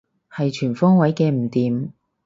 係全方位嘅唔掂